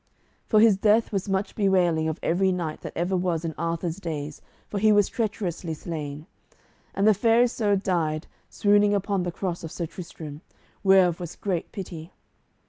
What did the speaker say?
For his death was much bewailing of every knight that ever was in Arthur's days, for he was traitorously slain. And the Fair Isoud died, swooning upon the cross of Sir Tristram, whereof was great pity.